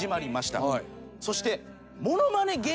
そして。